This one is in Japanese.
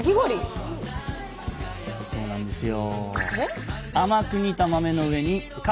そうなんですよ。